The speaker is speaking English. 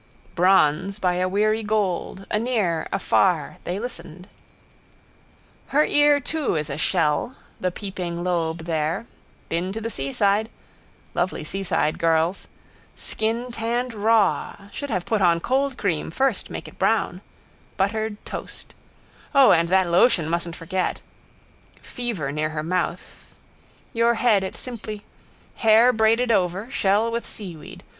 Bronze by a weary gold, anear, afar, they listened. Her ear too is a shell, the peeping lobe there. Been to the seaside. Lovely seaside girls. Skin tanned raw. Should have put on coldcream first make it brown. Buttered toast. O and that lotion mustn't forget. Fever near her mouth. Your head it simply. Hair braided over: shell with seaweed.